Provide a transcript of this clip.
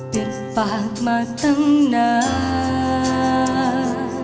เปิดปากมาตั้งนาน